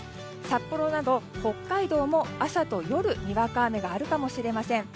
札幌など北海道も朝と夜、にわか雨があるかもしれません。